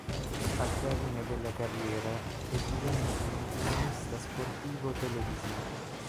Al termine della carriera è divenuto un opinionista sportivo televisivo.